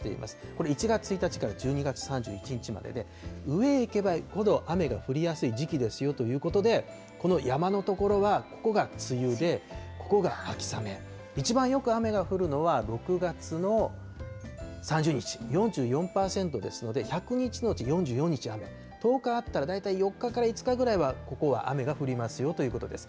これ、１月１日から１２月３１日までで、上へ行けば行くほど雨が降りやすい時期ですよということで、この山の所は、ここが梅雨でここが秋雨、一番よく雨が降るのは６月の３０日、４４％ですので、１００日のうち４４日雨、１０日あったら大体４日から５日ぐらいはここは雨が降りますよということです。